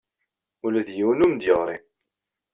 Ula d yiwen ur am-d-yeɣri.